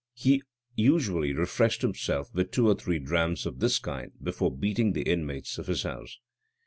He usually refreshed himself with two or three drams of this kind before beating the inmates of his house.